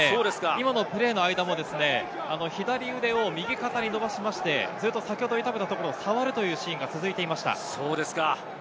今のプレーの間も左腕を右肩に伸ばして、ずっと先ほど痛めたところを触るというシーンが続いていました。